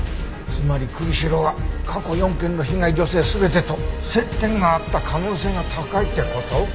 つまり栗城は過去４件の被害女性全てと接点があった可能性が高いって事？